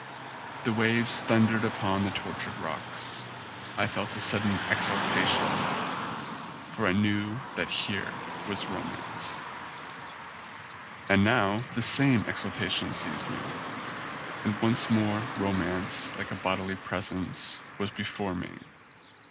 The waves thundered upon the tortured rocks. I felt a sudden exultation, for I knew that here was romance. 97 ON A' CHINESE SCREEN And now the same exultation seized me, and once more romance, like a bodily presence, was before me.